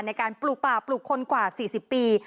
ในการปลูกป่าปลูกคนกว่า๔๐ปี